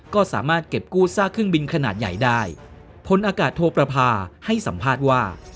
ก็สามารถเก็บกู้ซากเครื่องบินขนาดใหญ่ได้พลอากาศโทประพาให้สัมภาษณ์ว่า